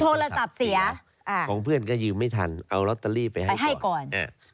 โทรศัพท์เสียอ่าของเพื่อนก็ยืมไม่ทันเอาลอตเตอรี่ไปให้ไปให้ก่อนอ่า